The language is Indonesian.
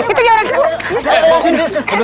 itu dia orangnya bu